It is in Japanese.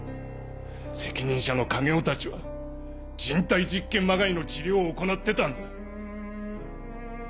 責任者の影尾たちは人体実験まがいの治療を行ってたんだ。